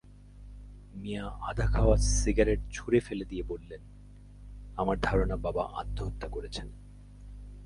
মিয়া আধা-খাওয়া সিগারেট ছুঁড়ে ফেলে দিয়ে বললেন, আমার ধারণা বাবা আত্মহত্যা করেছেন।